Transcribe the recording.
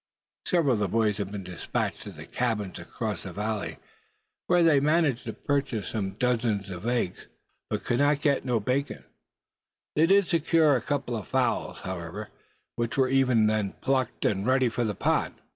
Several of the boys had been dispatched to the cabins across the valley, where they managed to purchase some dozens of eggs, but could get no bacon. They did secure a couple of fowls, however, which were even then plucked, and ready for the pot.